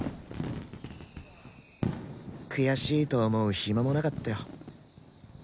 悔しいと思う暇もなかったよ。